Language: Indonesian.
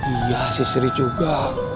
iya si sri juga